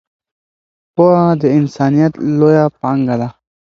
پوهه د انسانیت لویه پانګه ده.